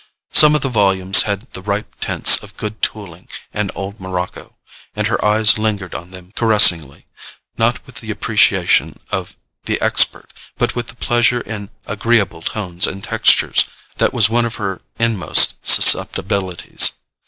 Some of the volumes had the ripe tints of good tooling and old morocco, and her eyes lingered on them caressingly, not with the appreciation of the expert, but with the pleasure in agreeable tones and textures that was one of her inmost susceptibilities.